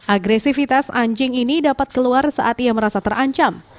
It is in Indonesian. agresivitas anjing ini dapat keluar saat ia merasa terancam